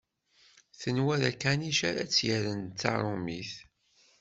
Tenwa d akanic ara tt-yerren d taṛumit.